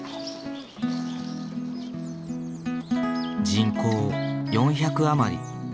人口４００余り。